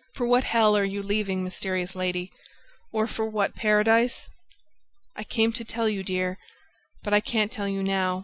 ... For what hell are you leaving, mysterious lady ... or for what paradise?" "I came to tell you, dear, but I can't tell you now